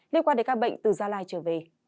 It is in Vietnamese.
liên quan đến các bệnh từ gia lai trở về